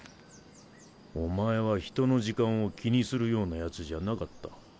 お前は人の時間を気にするようなヤツじゃなかった。